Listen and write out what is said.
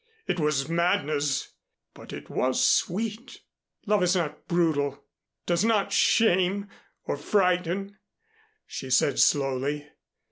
It was madness, but it was sweet." "Love is not brutal does not shame nor frighten," she said slowly.